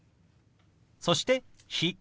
そして「日」。